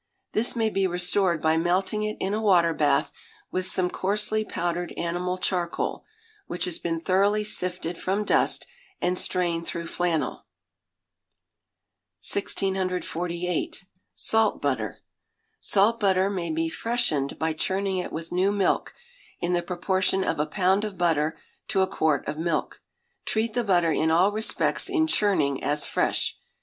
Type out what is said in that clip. This may be restored by melting it in a water bath, with some coarsely powdered animal charcoal, which has been thoroughly sifted from dust, and strained through flannel. 1648. Salt Butter. Salt butter may be freshened by churning it with new milk, in the proportion of a pound of butter to a quart of milk. Treat the butter in all respects in churning as fresh.